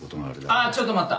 ああちょっと待った！